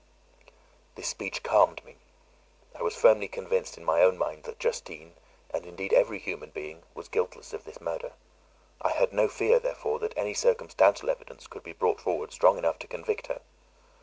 This speech calmed me. I was firmly convinced in my own mind that Justine, and indeed every human being, was guiltless of this murder. I had no fear, therefore, that any circumstantial evidence could be brought forward strong enough to convict her.